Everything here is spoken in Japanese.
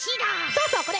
そうそうこれ！